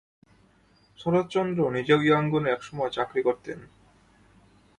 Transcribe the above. শরৎচন্দ্র নিজেও ইয়াঙ্গুনে একসময় চাকরি করতেন।